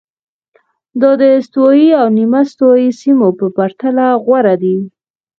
دا د استوایي او نیمه استوایي سیمو په پرتله غوره دي.